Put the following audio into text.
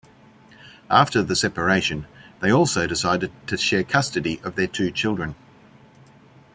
After the separation, they also decided to share custody of their two children.